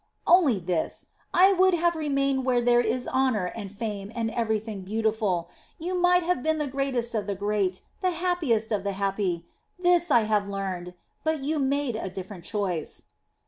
Only this, I would have remained where there is honor and fame and everything beautiful. You might have been the greatest of the great, the happiest of the happy this I have learned, but you made a different choice."